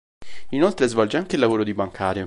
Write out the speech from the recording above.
Inoltre svolge anche il lavoro di bancario.